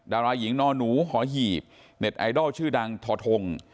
ดาราหญิงนอนหนูหอหีบเน็ตไอดอลชื่อดังทอทง